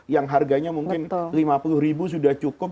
yang harganya mungkin lima puluh ribu sudah cukup